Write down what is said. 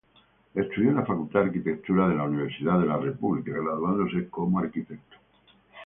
Estudió en la Facultad de Arquitectura de Universidad de la República, graduándose como arquitecto.